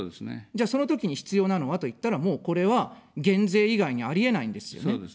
じゃあ、そのときに必要なのはといったら、もう、これは減税以外にありえないんですよね。